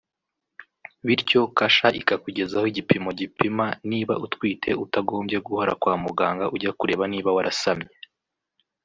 Bityo Kasha ikakugezaho igipimo gipima niba utwite utagombye guhora kwa muganga ujya kureba niba warasamye